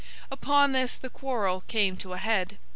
Upon this, the quarrel came to a head.